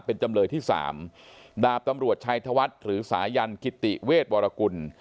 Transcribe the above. เป็นจำเลยที่สามดาบตำรวจชัยธวัฒน์หรือสายันกิติเวชวรกุล